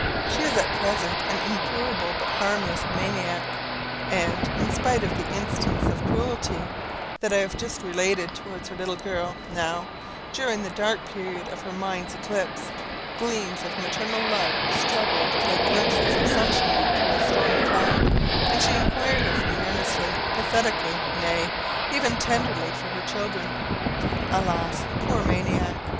She is at present an incurable but harmless maniac; and, in spite of the instance of cruelty that I have just related towards her little girl, now, during the dark period of her mind's eclipse, gleams of maternal love struggled like glimpses of sunshine through a stormy cloud, and she inquired of me earnestly, pathetically, nay, even tenderly, for her children. Alas, poor maniac!